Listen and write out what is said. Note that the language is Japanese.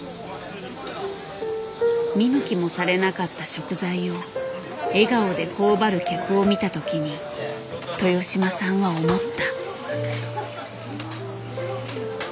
見向きもされなかった食材を笑顔で頬張る客を見た時に豊島さんは思った。